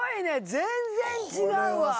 全然違うわ！